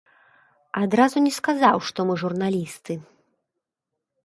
Адразу не сказаў, што мы журналісты.